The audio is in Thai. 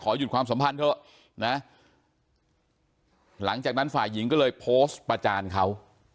หยุดความสัมพันธ์เถอะนะหลังจากนั้นฝ่ายหญิงก็เลยโพสต์ประจานเขา